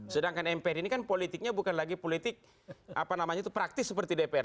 sedangkan mpr ini kan politiknya bukan lagi politik praktis seperti dpr